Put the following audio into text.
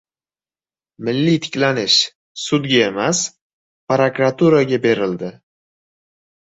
«Milliy tiklanish» sudga emas, prokuraturaga berildi